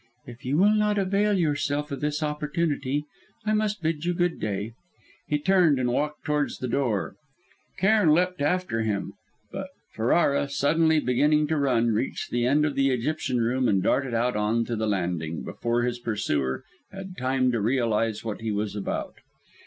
If you will not avail yourself of this opportunity, I must bid you good day " He turned and walked towards the door. Cairn leapt after him; but Ferrara, suddenly beginning to run, reached the end of the Egyptian Room and darted out on to the landing, before his pursuer had time to realise what he was about.